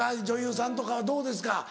女優さんとかはどうですか？